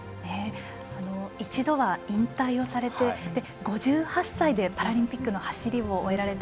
一度は引退をされて５８歳でパラリンピックの走りを終えられた